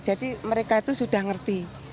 jadi mereka itu sudah ngerti